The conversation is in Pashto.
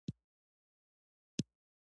تور چای ولې هل لري؟